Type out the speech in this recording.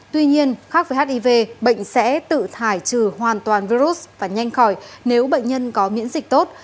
tuy nhiên khác với hiv bệnh sẽ tự thải trừ hoàn toàn virus và nhanh khỏi nếu bệnh nhân có miễn dịch tốt